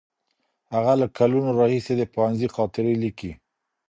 هغه له کلونو راهیسې د پوهنځي خاطرې لیکي.